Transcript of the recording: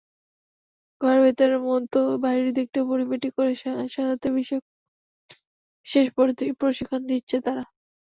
ঘরের ভেতরের মতো বাইরের দিকটাও পরিপাটি করে সাজাতে বিশেষ প্রশিক্ষণ দিচ্ছে তারা।